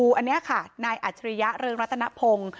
คุณผู้อันนี้ค่ะนายอัจฉริยะเริงรัตนพงศ์